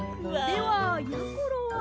ではやころは。